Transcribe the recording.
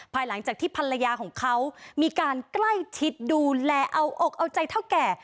หลังจากที่ภรรยาของเขามีการใกล้ชิดดูแลเอาอกเอาใจเท่าแก่